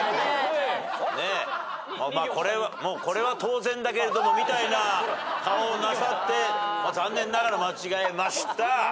これは当然だけれどもみたいな顔をなさって残念ながら間違えました。